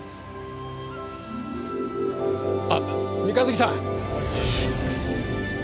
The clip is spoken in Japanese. あっ三日月さん。